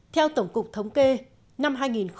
theo tổng cục thống kê năm hai nghìn một mươi tám